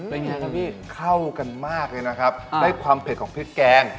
เป็นยังไงครับพี่เข้ากันมากเลยนะครับได้ความเผ็ดของพริกแกง